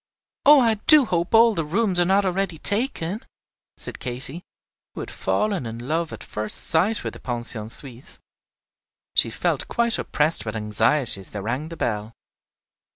"Oh, I do hope all the rooms are not already taken," said Katy, who had fallen in love at first sight with the Pension Suisse. She felt quite oppressed with anxiety as they rang the bell.